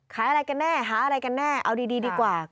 ขายอะไรกันแน่หาอะไรกันแน่เอาดีดีกว่า